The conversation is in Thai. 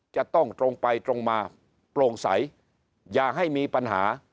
จะต้องตรงไปตรงมาโปร่งใสอย่าให้มีปัญหา